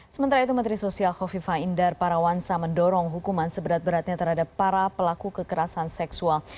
sementara itu menteri sosial kofifa indar parawansa mendorong hukuman seberat beratnya terhadap para pelaku kekerasan seksual